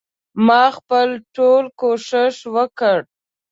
ما خپل ټول کوښښ وکړ.